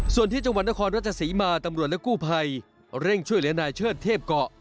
ส่วนที่จังหวัดนครราชศรีมาตำรวจและกู้ภัยเร่งช่วยเหลือนายเชิดเทพเกาะ